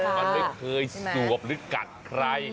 มันไม่เคยสวบหรือกัดใคร